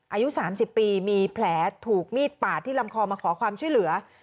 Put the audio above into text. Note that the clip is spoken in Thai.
อายุ๓๐ปีมีแผลถูกมีดปาดที่ลำคอมาขอความช่วยเหลือ